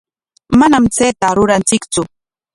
Manam chayta ruranchiktsu.